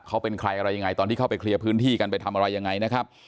เขาเป็นใครอะไรยังไงตอนที่เข้าไปเคลียร์พื้นที่กันไปทำอะไรยังไงนะครับ